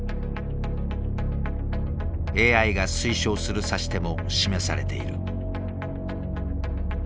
ＡＩが推奨する指し手も示されている。